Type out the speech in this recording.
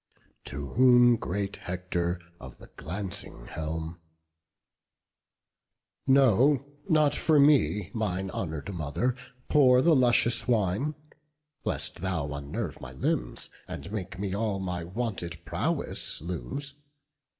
To whom great Hector of the glancing helm: "No, not for me, mine honour'd mother, pour The luscious wine, lest thou unnerve my limbs, And make me all my wonted prowess lose.